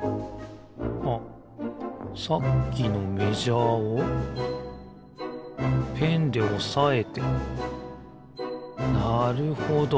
あっさっきのメジャーをペンでおさえてなるほど。